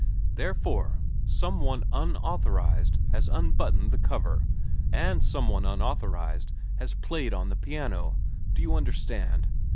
' Therefore some one unauthorised has unbuttoned the cover, and some one unauthorised has played on the piano. Do you understand